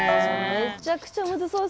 めちゃくちゃむずそうですもん。